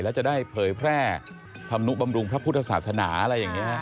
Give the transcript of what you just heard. แล้วจะได้เผยแพร่ธรรมนุบำรุงพระพุทธศาสนาอะไรอย่างนี้